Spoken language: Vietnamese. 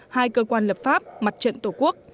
hai cơ quan lập pháp mặt trận tổ quốc